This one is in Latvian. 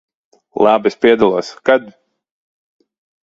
Labi, es piedalos. Kad?